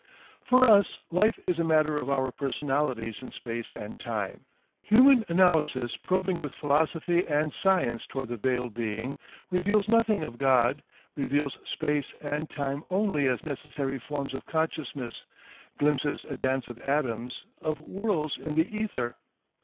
For us life is a matter of our personalities in space and time. Human analysis probing with philosophy and science towards the Veiled Being reveals nothing of God, reveals space and time only as necessary forms of consciousness, glimpses a dance of atoms, of whirls in the ether.